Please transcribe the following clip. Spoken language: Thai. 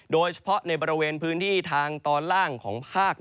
โดยเฉพาะในบริเวณพื้นที่ทางตอนล่างของภาค